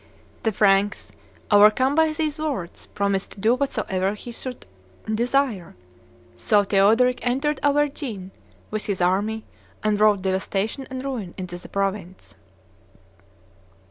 The Franks, overcome by these words, promised to do whatsoever he should desire. So Theodoric entered Auvergne with his army, and wrought devastation and ruin in the province.